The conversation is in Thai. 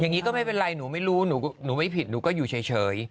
อย่างนี้ก็ไม่เป็นไรหนูไม่รู้หนูไม่ผิดหนูก็อยู่เฉย